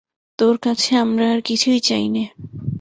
তোর কাছে আমরা আর কিছুই চাই নে।